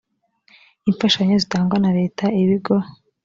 imfashanyo zitangwa na leta ibigo